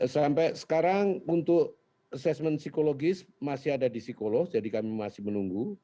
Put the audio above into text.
sampai sekarang untuk asesmen psikologis masih ada di psikolog jadi kami masih menunggu